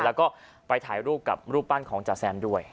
แล้วก็ไปถ่ายรูปกับรูปปั้นของจ๋าแซมด้วย